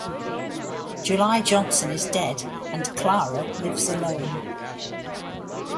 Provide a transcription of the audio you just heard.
July Johnson is dead, and Clara lives alone.